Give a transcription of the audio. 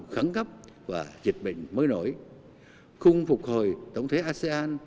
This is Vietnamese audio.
khẳng cấp và dịch bệnh mới nổi khung phục hồi tổng thể asean